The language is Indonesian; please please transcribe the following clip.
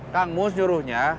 kang mus nyuruhnya